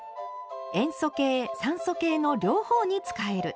「塩素系酸素系の両方に使える」。